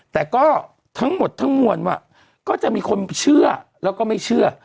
แต่ก็ทั้งหมดทั้งมวลว่าก็จะมีคนเชื่อแล้วก็ไม่เชื่อ